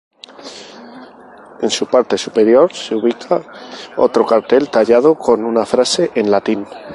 En su parte superior se ubica otro cartel tallado con una frase en latín.